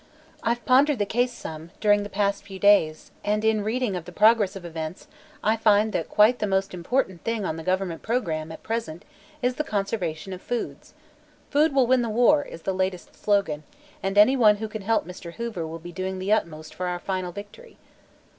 I've pondered the case some, during the past few days, and in reading of the progress of events I find that quite the most important thing on the government programme, at present, is the conservation of foods. 'Food will win the war' is the latest slogan, and anyone who can help Mr. Hoover will be doing the utmost for our final victory."